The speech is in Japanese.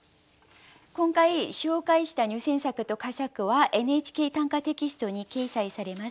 今回紹介した入選作と佳作は「ＮＨＫ短歌」テキストに掲載されます。